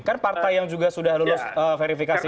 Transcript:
kan partai yang juga sudah lulus verifikasi